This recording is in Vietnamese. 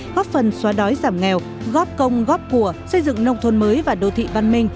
góp phần xóa đói giảm nghèo góp công góp của xây dựng nông thôn mới và đô thị văn minh